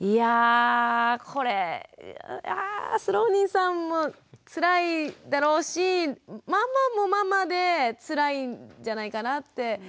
いやこれいやぁスローニンさんもつらいだろうしママもママでつらいんじゃないかなって。